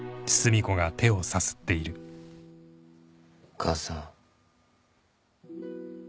母さん。